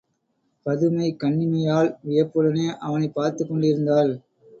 பதுமை கண்ணிமையாமல் வியப்புடனே அவனைப் பார்த்துக் கொண்டிருந்தாள்.